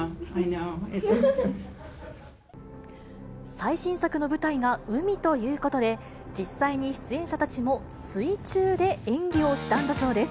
最新作の舞台が海ということで、実際に出演者たちも水中で演技をしたんだそうです。